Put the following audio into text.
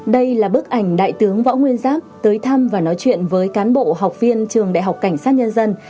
đây là bức ảnh đại tướng võ nguyên giáp tới thăm và nói chuyện với cán bộ học viên trường đại học cảnh sát nhân dân